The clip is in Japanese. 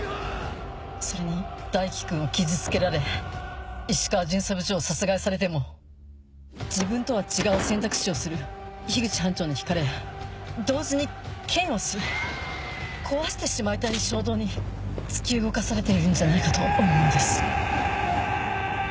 それに大樹君を傷つけられ石川巡査部長を殺害されても自分とは違う選択肢をする口班長に引かれ同時に嫌悪し壊してしまいたい衝動に突き動かされているんじゃないかと思うんです。